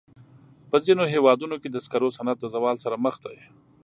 په ځینو هېوادونو کې د سکرو صنعت د زوال سره مخ دی.